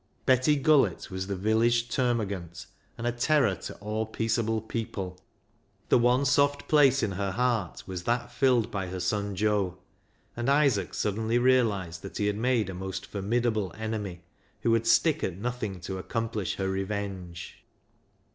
Betty Gullett was the village termagant, and a terror to all peaceable people. The one soft place in her heart was that filled by her son Joe, and Isaac suddenly realised that he had made a most formidable enemy, who would stick at nothing to accomplish her revenge.